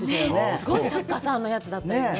すごい作家さんのやつだったりね